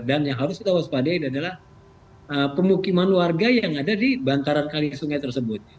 dan yang harus kita waspadai adalah pemukiman warga yang ada di bantaran kali sungai tersebut